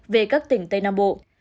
về các tỉnh tây nam bộ